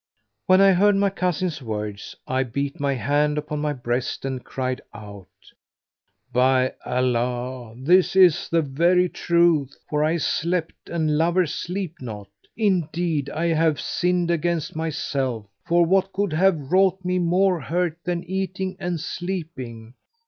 When I heard my cousin's words, I beat my hand upon my breast and cried out, "By Allah, this is the very truth, for I slept and lovers sleep not! Indeed I have sinned against myself, for what could have wrought me more hurt than eating and sleeping?